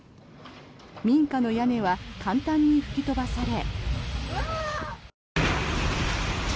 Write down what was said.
民家の屋根は簡単に吹き飛ばされ。